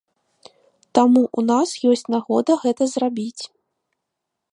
Таму ў нас ёсць нагода гэта зрабіць.